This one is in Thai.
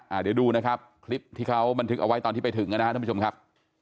เดี๋ยวดูนะครับคลิปที่เขาบันทึกเอาไว้ตอนที่ไปถึงนะครับท่านผู้ชมครับ